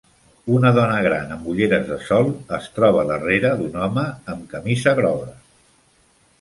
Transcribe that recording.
Una dona gran en ulleres de sol es troba darrere d'un home en una camisa groga